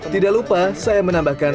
tidak lupa saya menambahkan